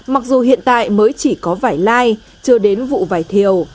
mặc dù hiện tại mới chỉ có vải lai chưa đến vụ vải thiều